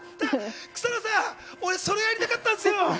草野さん、俺、それやりたかったんすよ！